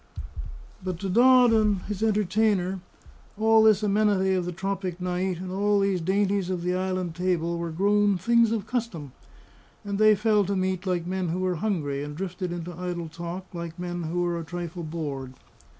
But to Dodd and his entertainer, all this amenity of the tropic night and all these dainties of the island table, were grown things of custom; and they fell to meat like men who were hungry, and drifted into idle talk like men who were a trifle bored.